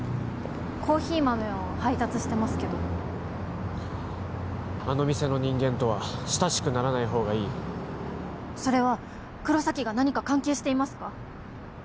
コーヒー豆を配達してますけどあの店の人間とは親しくならない方がいいそれは黒崎が何か関係していますか？